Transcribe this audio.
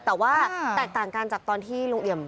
แต่ว่าแตกต่างกันจากตอนที่ลุงเอี่ยม